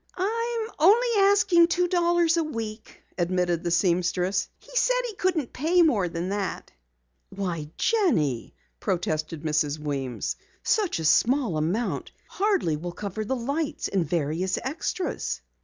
"I am asking only two dollars a week," admitted the seamstress. "He said he couldn't pay more than that." "Why, Jenny," protested Mrs. Weems, "such a small amount hardly will cover the lights and various extras."